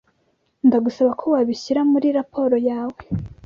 Ndagusaba ko wabishyira muri raporo yawe.